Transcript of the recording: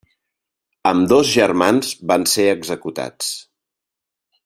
Ambdós germans van ser executats.